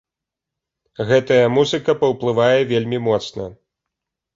Гэтая музыка паўплывае вельмі моцна.